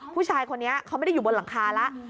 ผู้ชายคนนี้เขาไม่ได้อยู่บนหลังคาแล้ว